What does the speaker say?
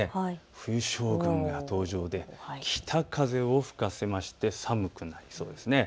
冬将軍が登場で北風を吹かせまして寒くなりそうです。